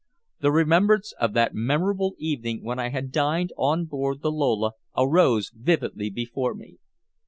The remembrance of that memorable evening when I had dined on board the Lola arose vividly before me.